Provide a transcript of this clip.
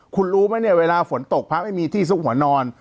คุณรู้ไหมเนี่ยเวลาฝนตกพระไม่มีที่ซุกหัวนอน